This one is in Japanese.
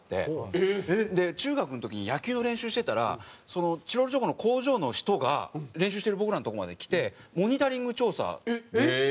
中学の時に野球の練習してたらそのチロルチョコの工場の人が練習してる僕らのとこまで来てモニタリング調査やってて。